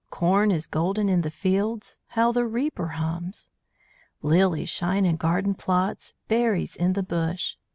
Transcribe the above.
Corn is golden in the fields. How the reaper hums! Lilies shine in garden plots, Berries in the bush.